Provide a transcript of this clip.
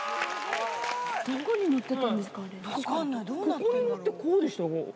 ここに乗ってこうでした。